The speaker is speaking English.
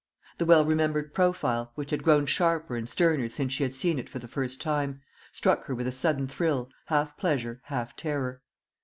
The well remembered profile, which had grown sharper and sterner since she had seen it for the first time, struck her with a sudden thrill, half pleasure, half terror.